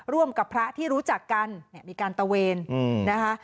ร่วมกับพระที่รู้จักกันเนี่ยมีการตะเวนนะคะ